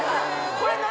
これ何？